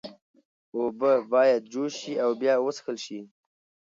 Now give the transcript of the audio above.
اوبه باید جوش شي او بیا وڅښل شي۔